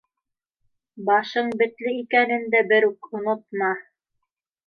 Башың бетле икәнен дә берүк онотма!